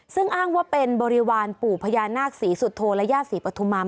ซึ่งอ้างว่าเป็นบริวารปู่พญานาคศรีสุโธและย่าศรีปฐุมาม